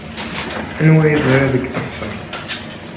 Anwa i teẓṛiḍ deg teɣseṛt?